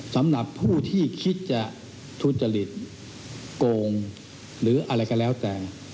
สำหรับผู้ที่คิดจะทุจริตโกงหรืออะไรก็แล้วแต่